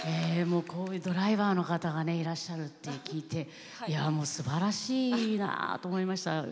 こういうドライバーの方がいらっしゃるって聞いてすばらしいなって思いました。